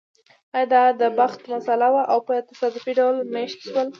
ایا دا د بخت مسئله وه او په تصادفي ډول مېشت شول